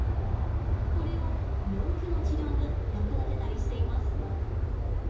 これを病気の治療に役立てたりしています。